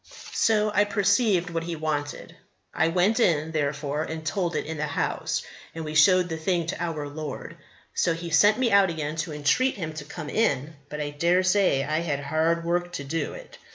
So I perceived what he wanted. I went in, therefore, and told it in the house, and we showed the thing to our Lord. So He sent me out again to entreat him to come in, but I dare say I had hard work to do it.